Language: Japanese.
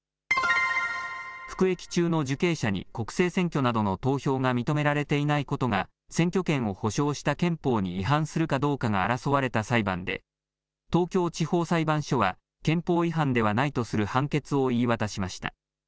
服役中の受刑者に、国政選挙などの投票が認められていないことが、選挙権を保障した憲法に違反するかどうかが争われた裁判で、東京地方裁判所は憲法違反ではないとする判決を言い渡しました。